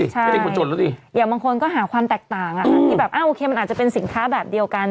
ใช่ใช่ใช่อย่างบางคนก็หาความแตกต่างอ่ะที่แบบโอเคมันอาจจะเป็นสินค้าแบบเดียวกัน